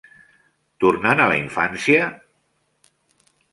Tornant a la infància?